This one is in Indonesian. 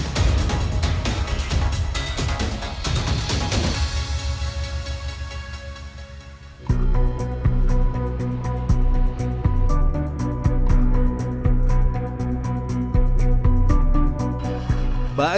tidak ada keadaan yang bisa diberkati